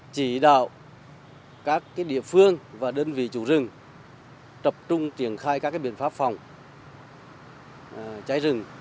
chỉ đạo các địa phương và đơn vị chủ rừng tập trung triển khai các biện pháp phòng cháy rừng